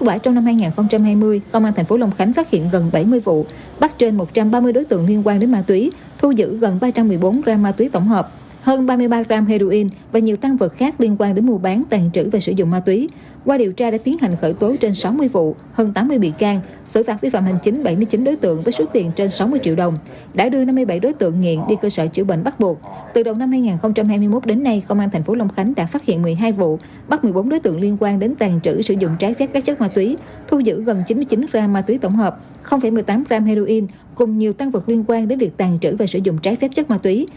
từ đầu năm hai nghìn hai mươi một đến nay công an tp long khánh đã phát hiện một mươi hai vụ bắt một mươi bốn đối tượng liên quan đến tàn trữ sử dụng trái phép các chất ma túy thu giữ gần chín mươi chín gram ma túy tổng hợp một mươi tám gram heroin cùng nhiều tăng vật liên quan đến việc tàn trữ và sử dụng trái phép chất ma túy